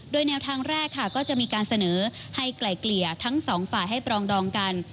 โดยแนวทางแรกค่ะก็จะมีการเสนอให้ไกล่เกลี่ยทั้งสองฝ่ายให้ปรองดองกัน